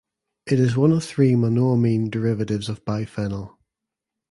It is one of three monoamine derivatives of biphenyl.